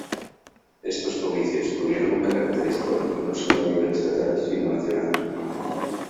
Estos comicios tuvieron un carácter histórico, no solo a nivel estatal sino nacional.